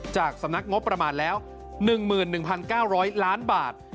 จากสำนักงบประมาณแล้ว๑๑๙๐๐ล้านบาท